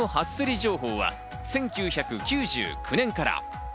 情報は１９９９年から。